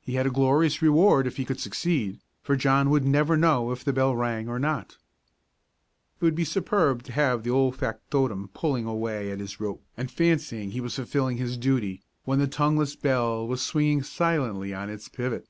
He had a glorious reward if he could succeed, for John would never know if the bell rang or not! It would be superb to have the old factotum pulling away at his rope and fancying he was fulfilling his duty when the tongueless bell was swinging silently on its pivot.